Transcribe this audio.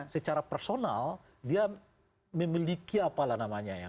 secara personal dia memiliki apalah namanya ya